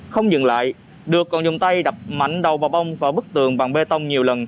không dừng lại được còn dùng tay đập mạnh đầu vào bông và bức tường bằng bê tông nhiều lần